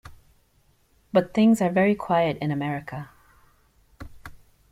But things are very quiet in America.